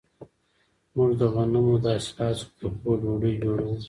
موږ د غنمو له حاصلاتو څخه د کور ډوډۍ جوړوو.